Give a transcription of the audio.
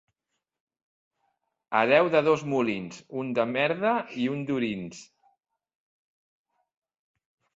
Hereu de dos molins: un de merda i un d'orins.